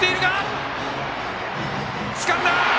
つかんだ！